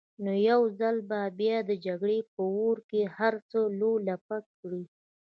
نو يو ځل بيا به د جګړې په اور کې هر څه لولپه کړي.